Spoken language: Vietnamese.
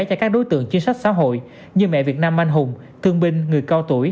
cho các đối tượng chính sách xã hội như mẹ việt nam anh hùng thương binh người cao tuổi